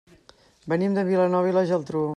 Venim de Vilanova i la Geltrú.